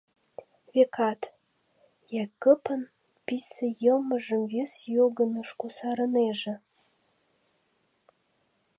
Векат, Якыпын писе йылмыжым вес йогыныш кусарынеже.